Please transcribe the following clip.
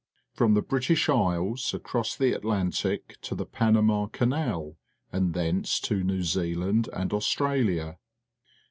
From the British Isles across the Atlantic to the Panama Canal, and thence to New Zealand and Austialia.